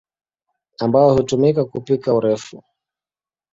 ambayo hutumika kupika urefu.